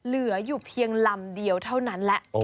เหลืออยู่เพียงลำเดียวเท่านั้นแหละ